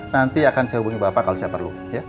nanti akan saya hubungi bapak kalau saya perlu